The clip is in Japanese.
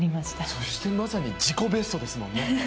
そしてまさに自己ベストですもんね。